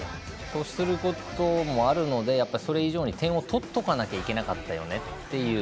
そうすることもあるのでそれ以上に点を取っておかないといけなかったよねという。